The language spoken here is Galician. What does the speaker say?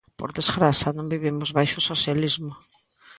Por desgraza, non vivimos baixo o socialismo.